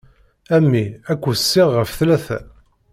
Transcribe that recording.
A mmi ad k-weṣṣiɣ ɣef tlata.